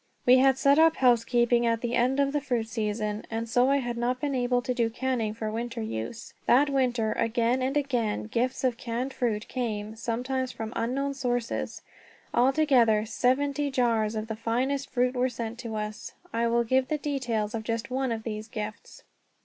We had set up housekeeping at the end of the fruit season, and so I had not been able to do canning for winter use. That winter, again and again, gifts of canned fruit came, sometimes from unknown sources. Altogether, seventy jars of the finest fruit were sent to us. I will give the details of just one of these gifts.